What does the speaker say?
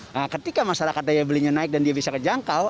nah ketika masyarakat daya belinya naik dan dia bisa kejangkau